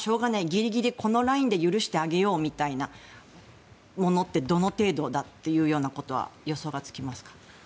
ギリギリこのラインで許してあげようみたいなものってどの程度だということは予想がつきますか。